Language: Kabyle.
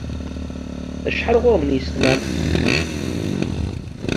Acḥal ɣur-m n yisetma-m?